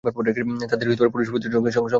তাদের পুরুষ প্রতিপক্ষের সংখ্যা একুশ।